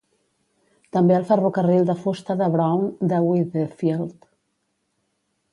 També el ferrocarril de fusta de Brown, de Whitefield.